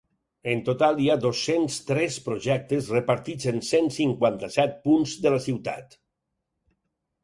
En total, hi ha dos-cents tres projectes repartits en cent cinquanta-set punts de la ciutat.